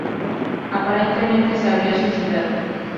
Aparentemente se habría suicidado.